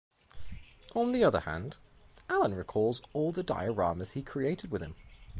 On the other hand, Alan recalls all the dioramas he created with him.